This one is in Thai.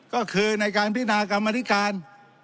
ก็คือในการพินากรรมธิการ